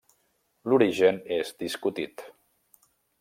L'origen és discutit.